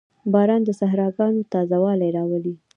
• باران د صحراګانو تازهوالی راولي.